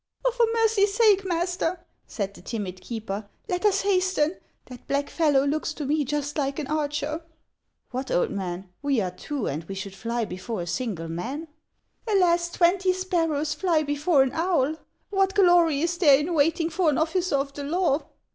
" For mercy's sake, master," said the timid keeper, " let us hasten ; that black fellow looks to me just like an archer !" 180 HAXS OF ICELAND. " What, old raau ; we are two, and we should fly before a single mail !"" Alas ! twenty sparrows fly before an owl. What glory is there in waiting for an officer of the law